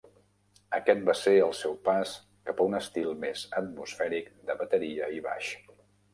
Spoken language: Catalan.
Aquest va ser el seu pas cap a un estil més atmosfèric de bateria i baix.